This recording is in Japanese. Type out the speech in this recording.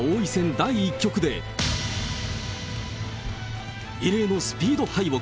第１局で、異例のスピード敗北。